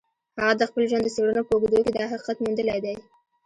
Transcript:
هغه د خپل ژوند د څېړنو په اوږدو کې دا حقیقت موندلی دی